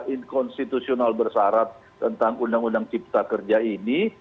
inkonstitusional bersarat tentang undang undang cipta kerja ini